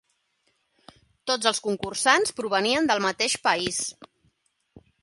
Tots els concursants provenien del mateix país.